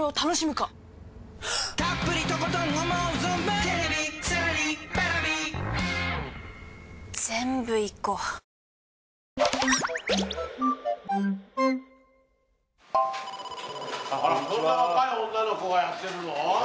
こんな若い女の子がやってるの？